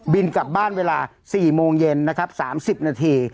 บินกลับบ้านเวลา๔โมงเย็น๓๐นาที